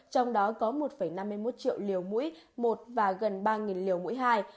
trong đó có một năm mươi một triệu liều mũi một và gần ba liều mũi hai